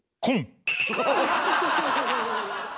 こん！